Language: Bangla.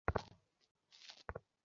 হান্টার নামের কতজন স্টুডেন্ট আছে আপনার?